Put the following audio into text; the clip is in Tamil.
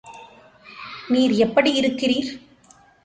நீர் எப்படி இருக்கிறீர்?